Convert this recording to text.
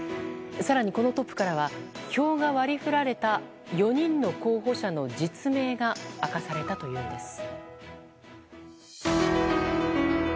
更に、このトップからは票が割り振られた４人の候補者の実名が明かされたというんです。